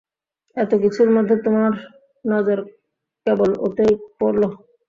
এতকিছুর মধ্যে তোমার নজর কেবল ওতেই পড়লো।